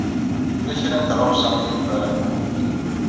Tella kra n tɣawsa i yufa Rabaḥ.